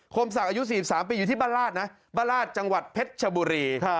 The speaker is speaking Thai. มศักดิ์อายุ๔๓ปีอยู่ที่บ้านราชนะบ้านราชจังหวัดเพชรชบุรี